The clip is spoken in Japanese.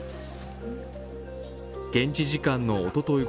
現地時間のおととい